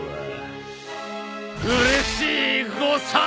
うれしい誤算！